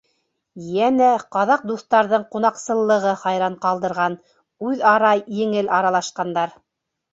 Йәнә ҡаҙаҡ дуҫтарҙың ҡунаҡсыллығы хайран ҡалдырған, үҙ-ара еңел аралашҡандар.